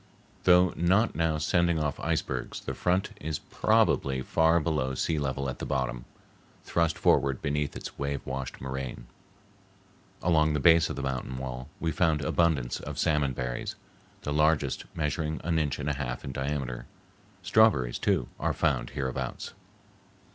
Though not now sending off icebergs, the front is probably far below sea level at the bottom, thrust forward beneath its wave washed moraine. Along the base of the mountain wall we found abundance of salmon berries, the largest measuring an inch and a half in diameter. Strawberries, too, are found hereabouts.